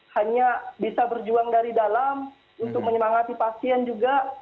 hanya bisa berjuang dari dalam untuk menyemangati pasien juga